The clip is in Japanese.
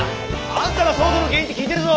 あんたが騒動の原因って聞いてるぞ。